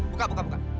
buka buka buka